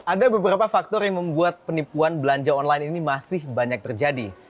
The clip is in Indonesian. ada beberapa faktor yang membuat penipuan belanja online ini masih banyak terjadi